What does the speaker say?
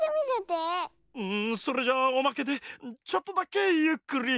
んそれじゃあおまけでちょっとだけゆっくり。